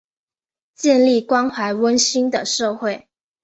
建立关怀温馨的社会